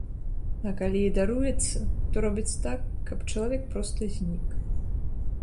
А калі і даруецца, то робяць так, каб чалавек проста знік.